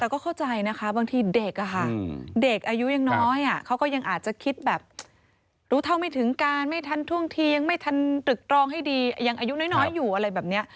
แต่ก็เข้าใจนะคะบางทีเด็กอะค่ะเด็กอายุยังน้อยเขาก็ยังอาจจะคิดแบบรู้เท่าไม่ถึงการไม่ทันท่วงเทียงไม่ทันตรึกตรองให้ดียังอายุน้อยอยู่อะไรแบบนี้